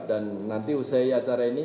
dan nanti usai acara ini